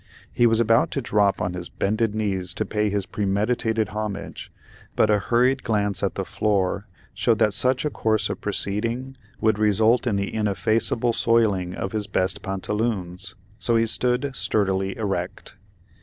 He was about to drop on his bended knees to pay his premeditated homage, but a hurried glance at the floor showed that such a course of proceeding would result in the ineffaceable soiling of his best pantaloons; so he stood sturdily erect.